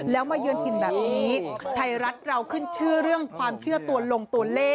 แล้วมาเยือนถิ่นแบบนี้ไทยรัฐเราขึ้นชื่อเรื่องความเชื่อตัวลงตัวเลข